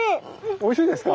おいしいですか？